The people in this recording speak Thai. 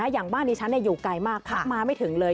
อย่างบ้านนี้ฉันอยู่ไกลมากพระมาไม่ถึงเลย